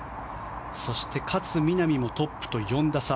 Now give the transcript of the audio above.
勝みなみもトップと４打差。